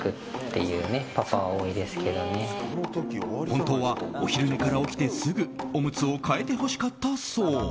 本当はお昼寝から起きてすぐオムツを替えてほしかったそう。